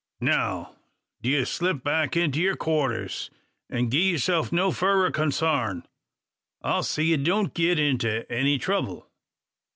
Now; d'you slip back to yur quarters, and gi'e yurself no furrer consarn. I'll see you don't git into any trouble.